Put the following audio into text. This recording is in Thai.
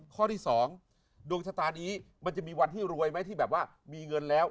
ข้อที่๒ดวงชะตานี้มันจะมีวันที่รวยไหมที่แบบว่ามีเงินแล้ว